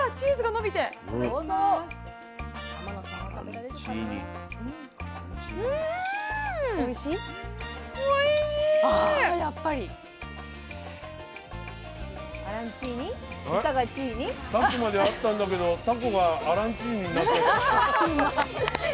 さっきまであったんだけどタコがあらんチーニになっちゃった。